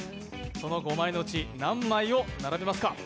その５枚のうち何枚を並べますか。